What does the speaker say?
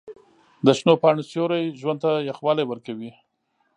د شنو پاڼو سیوري ژوند ته یخوالی ورکوي.